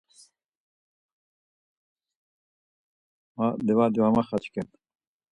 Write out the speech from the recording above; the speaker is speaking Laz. Ma livadi va maxaçken.